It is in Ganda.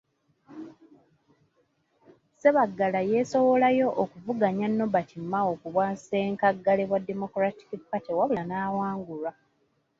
Ssebaggala yeesowolayo okuvuganya Norbert Mao ku bwa Ssenkaggale bwa Democratic Party wabula n'awangulwa.